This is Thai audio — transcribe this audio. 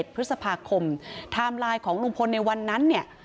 พฤษภาคมไทม์ไลน์ของลุงพลในวันนั้นเนี่ย